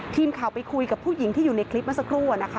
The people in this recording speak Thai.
ทีมข่าวไปคุยกับผู้หญิงที่อยู่ในคลิปเมื่อสักครู่นะคะ